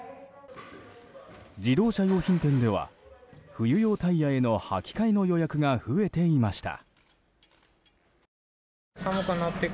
自動車用品店では冬用タイヤへのはき替えの予約が増えていました。